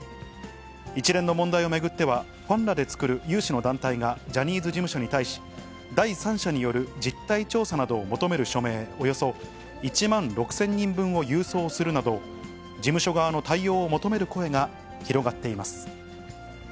一連の問題を巡っては、ファンらで作る有志の団体がジャニーズ事務所に対し、第三者による実態調査などを求める署名およそ１万６０００人分を郵送するなど、事務所側の対応を求める声が広がっています。